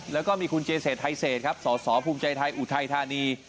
แล้วก็มีคุณเจเศษไทยเศษครับสสภูมิใจไทยอุทัยธานี